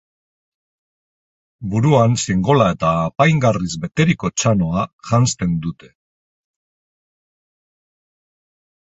Buruan xingola eta apaingarriz beteriko txanoa janzten dute.